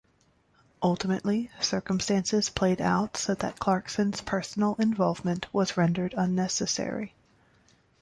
Ultimately, circumstances played out so that Clarkson's personal involvement was rendered unnecessary.